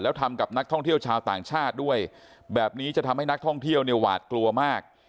แล้วทำกับนักท่องเที่ยวชาวต่างชาติด้วยแบบนี้จะทำให้นักท่องเที่ยวเนี่ยหวาดกลัวมาก